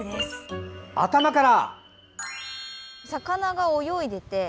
頭から！